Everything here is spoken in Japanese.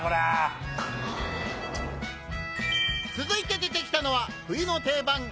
続いて出てきたのは冬の定番